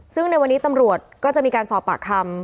ซึ่งในวันนี้ตำรวจก็จะมีการสอบปากคำ